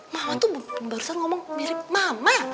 mama tuh baru saja ngomong mirip mama